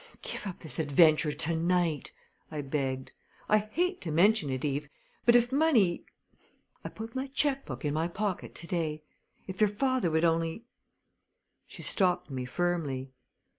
"Give up this adventure to night!" I begged. "I hate to mention it, Eve, but if money I put my checkbook in my pocket to day. If your father would only " She stopped me firmly.